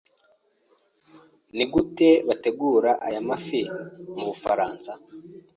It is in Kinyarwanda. Nigute bategura aya mafi mubufaransa?